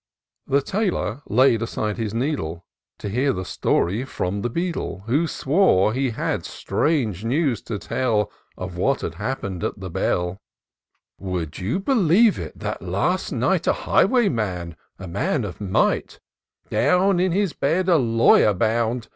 The Tailor laid aside his needle To hear the story from the Beadle, Who swore he had strange news to tell Of what had happen'd at the Bell :— 176 TOUR OF DOCTOR SYNTAX " Would yoH believe it ?— that, last night, A highwayman, a man of might, Down in his bed a lawyer bound.